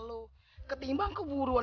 lah dateng sudah kan